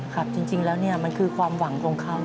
ครับจริงแล้วเนี่ยมันคือความหวังของเขา